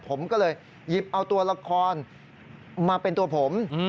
ผมก็เลยหยิบเอาตัวละครมาเป็นตัวผม